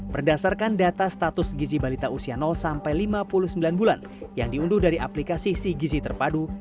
berdasarkan data status gizi balita usia sampai lima puluh sembilan bulan yang diunduh dari aplikasi sigizi terpadu